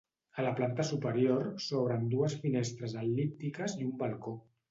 A la planta superior s'obren dues finestres el·líptiques i un balcó.